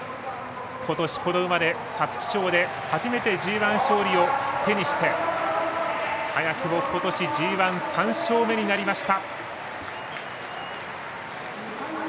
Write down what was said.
ことし、この馬で皐月賞で初めてＧＩ勝利を手にして早くも、ことしＧＩ、３勝目になりました。